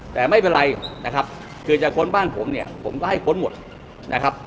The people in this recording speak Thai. แต่ไม่เป็นไรนะครับคือจะค้นบ้านผมเนี่ยผมก็ให้ค้นหมดนะครับ